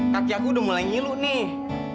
kaki aku udah mulai ngilu nih